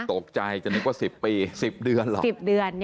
ถูกใจจะนึกว่า๑๐ปีคือ๑๐เดือนหรอก